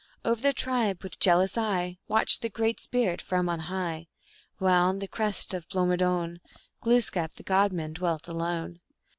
Over the tribe, with jealous eye, Watched the Great Spirit from on high, While on the crest of Blomidon Glooskap, the God man, dwelt alone.